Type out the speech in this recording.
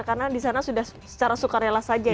karena di sana sudah secara sukarela saja ya